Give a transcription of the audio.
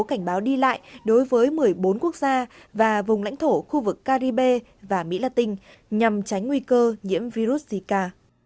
trung tâm kiểm soát và phòng ngừa dịch bệnh mỹ đã ban bố cảnh báo đi lại đối với một mươi bốn quốc gia và vùng lãnh thổ khu vực caribe và mỹ latin nhằm tránh nguy cơ nhiễm virus zika